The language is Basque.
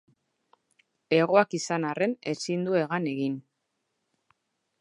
Hegoak izan arren ezin du hegan egin.